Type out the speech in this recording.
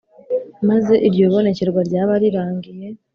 maze iryo bonekerwa ryaba rirangiye